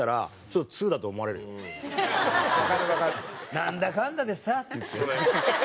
「なんだかんだでさ」って言って。